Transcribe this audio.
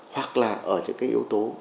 hoặc là ở những cái yếu tố